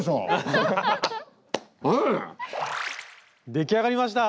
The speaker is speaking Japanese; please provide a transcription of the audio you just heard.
出来上がりました！